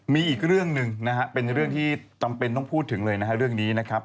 มีอีกเรื่องนึงนะครับเป็นเรื่องที่ต้องพูดถึงเลยนะครับเรื่องนี้นะครับ